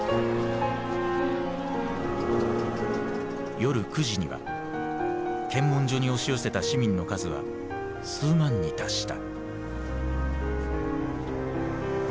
夜９時には検問所に押し寄せた市民の数は数万に達した。